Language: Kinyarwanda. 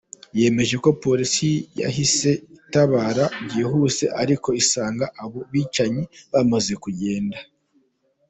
Yemeje ko Polisi yahise itabara byihuse ariko isanga abo bicanyi bamaze kugenda.